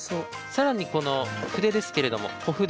更にこの筆ですけれども小筆。